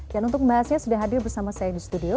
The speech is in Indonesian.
dan untuk bahasnya sudah hadir bersama saya di studio